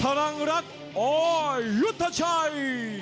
พลังรักออยยุทธชัย